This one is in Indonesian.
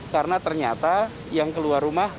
karena ternyata yang keluar rumah